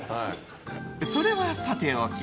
それはさておき